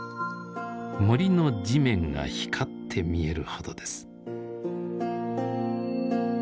森の地面が光って見えるほどです。